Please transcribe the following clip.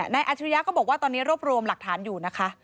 อาจริยะก็บอกว่าตอนนี้รวบรวมหลักฐานอยู่นะคะ